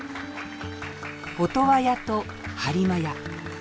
音羽屋と播磨屋。